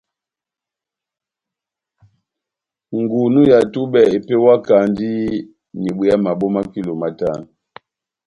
Ngunú ya tubɛ epewakandi n'ibwea mabo ma kilo matano.